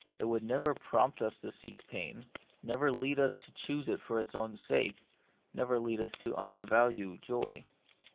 It would never prompt us to seek pain, never lead us to choose it for its own sake, never lead us to undervalue joy.